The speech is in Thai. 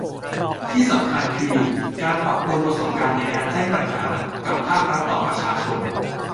ที่สำคัญคือ การปรับปรุงประสบการณ์ในการแจ้งปัญหากับภาครัฐต่อประชาชน